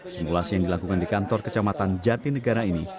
simulasi yang dilakukan di kantor kecamatan jatinegara ini